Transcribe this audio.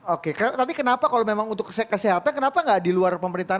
oke tapi kenapa kalau memang untuk kesehatan kenapa nggak di luar pemerintahan